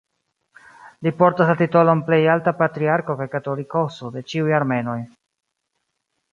Li portas la titolon "Plejalta Patriarko kaj Katolikoso de ĉiuj Armenoj".